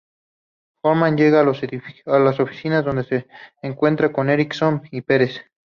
Hoffman llega a las oficinas donde se encuentran Erickson y Perez.